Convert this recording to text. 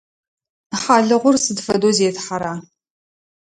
Хьалыгъур сыд фэдэу зетхьэра?